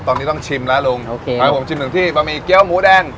ตอนนี้ต้องชิมแล้วลุงโอเคครับผมชิมถึงที่บะหมี่เกี้ยวหมูแดง